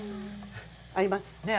合います。